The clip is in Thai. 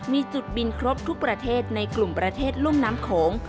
มีจุดบินครบทุกประเทศในกลุ่มประเทศรุ่มน้ำโขง